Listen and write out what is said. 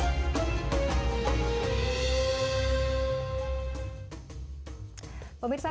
nah kita menikmati